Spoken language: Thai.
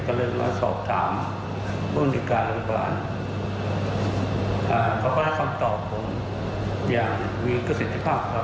ก็เลยมาสอบถามบ้านดิการรัฐบาลอ่าเขาก็ให้คำตอบผมอย่างมีเกษตริภาพครับ